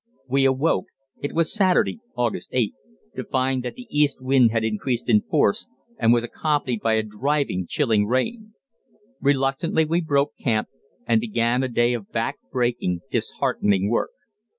We awoke it was Saturday, August 8 to find that the east wind had increased in force and was accompanied by a driving, chilling rain. Reluctantly we broke camp, and began a day of back breaking, disheartening work.